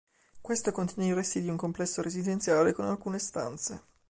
Questo contiene i resti di un complesso residenziale con alcune stanze.